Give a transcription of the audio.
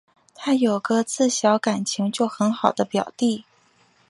她有个自小感情就很好的表弟